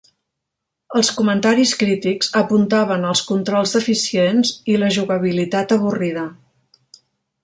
Els comentaris crítics apuntaven als controls deficients i la jugabilitat avorrida.